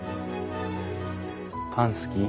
パン好き？